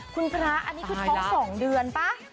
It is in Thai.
คุณพระท้อง๒เดือน